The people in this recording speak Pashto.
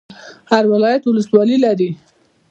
هر ولایت ولسوالۍ لري